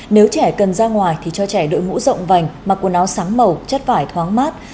nếu trẻ cần ra ngoài thì cho trẻ đội ngũ rộng vành mặc quần áo sáng màu chất vải thoáng mát